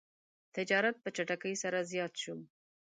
تجارت په چټکۍ سره زیات شو.